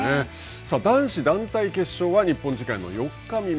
さあ、男子団体決勝は日本時間の４日未明。